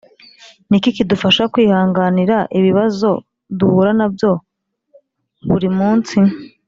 Ni iki kidufasha kwihanganira ibibazo duhura na byo buri munsi